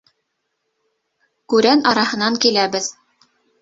Күрән араһынан киләбеҙ.